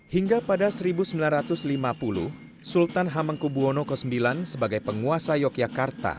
hingga pada seribu sembilan ratus lima puluh sultan hamengkubwono ix sebagai penguasa yogyakarta